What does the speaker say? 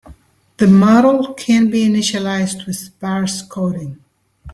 The model can be initialized with sparse coding.